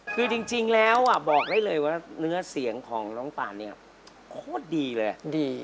คือจริงแล้วบอกได้เลยว่าเนื้อเสียงของน้องปานเนี่ยโคตรดีเลยดี